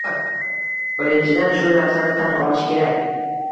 Birinchidan, shu narsani tan olish kerak.